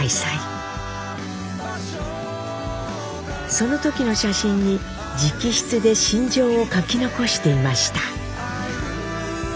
その時の写真に直筆で心情を書き残していました。